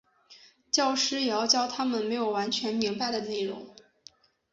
教师也要教他们没有完全明白的内容。